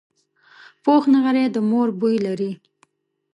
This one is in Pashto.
پوخ نغری د مور بوی لري